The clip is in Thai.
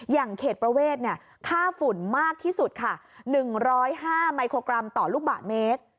อย่างเขตประเวทค่าฝุ่นมากที่สุดค่ะ๑๐๕มิโครกรัมต่อลูกบาทเมตร